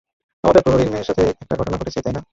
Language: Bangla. আমাদের প্রহরীর মেয়ের সাথে একটা ঘটনা ঘটেছে, তাই না?